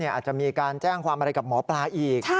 อาจจะมีการแจ้งความอะไรกับหมอปลาอีก